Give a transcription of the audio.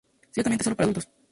Ciertamente es solo para adultos.